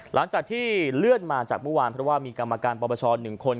หลังจากที่เลื่อนมาจากเมื่อวานเพราะว่ามีกรรมการปปช๑คน